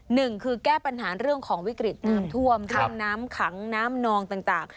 หนึ่งคือแก้ปัญหาเรื่องของวิกฤตน้ำท่วมเรื่องน้ำขังน้ำนองต่าง